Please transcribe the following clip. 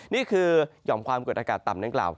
นี่คือหย่อมความเกิดอากาศต่ำนะครับ